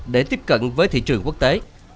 để tiếp cận với thị trường quốc tế